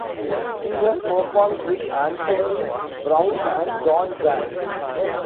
He has performed with Anthony Brown and Jon Jang.